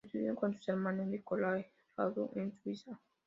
Estudió con sus hermanos Nicolae y Radu en Suiza.